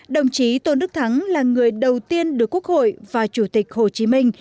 đồng chí tôn đức thắng là người đầu tiên được quốc hội và chủ tịch hồ chí minh